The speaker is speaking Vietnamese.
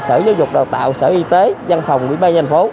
sở giáo dục đào tạo sở y tế giang phòng ubnd